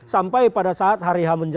sampai pada saat hari h